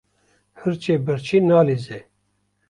Hirçê birçî nalîze.